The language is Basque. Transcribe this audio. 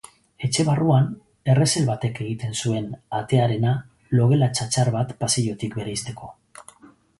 Etxe barruan, errezel batek egiten zuen atearena logela txatxar bat pasillotik bereizteko.